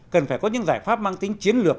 cần phải có những giải pháp mang tính chiến lược